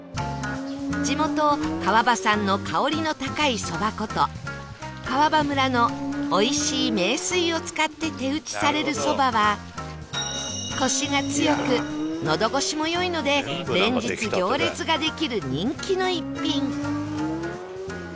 地元川場産の香りの高いそば粉と川場村のおいしい名水を使って手打ちされるそばはコシが強く喉越しも良いので連日行列ができる人気の一品